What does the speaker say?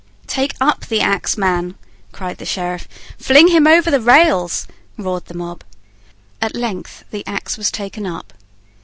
"Take up the axe, man," cried the sheriff. "Fling him over the rails," roared the mob. At length the axe was taken up.